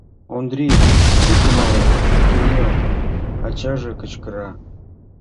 Ондрий, шуко малет, кынел! — ачаже кычкыра.